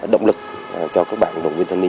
động lực cho các bạn đoàn viên thanh niên